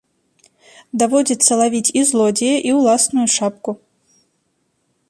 Даводзіцца лавіць і злодзея, і ўласную шапку.